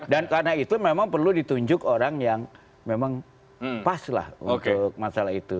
dan karena itu memang perlu ditunjuk orang yang memang pas lah untuk masalah itu